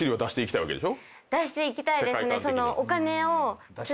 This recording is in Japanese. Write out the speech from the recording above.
出していきたいですね。